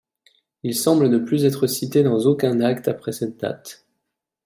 Il semble ne plus être cité dans aucun acte après cette date.